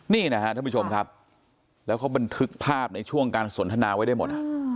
นี่นะครับท่านผู้ชมครับแล้วเขาบันทึกภาพในช่วงการสนทนาไว้ได้หมด